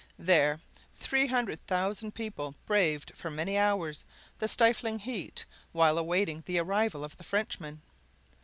There three hundred thousand people braved for many hours the stifling heat while awaiting the arrival of the Frenchman.